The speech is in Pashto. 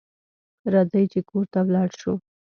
راځئ چې کور ته ولاړ شو